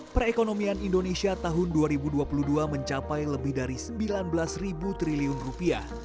perekonomian indonesia tahun dua ribu dua puluh dua mencapai lebih dari rp sembilan belas